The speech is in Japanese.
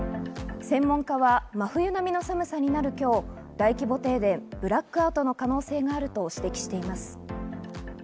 専門家は真冬並みの寒さになる今日、大規模停電・ブラックアウトの可能性があると指摘しています。